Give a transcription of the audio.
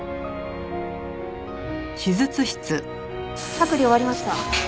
剥離終わりました。